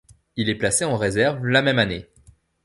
Il est placé en réserve la même année.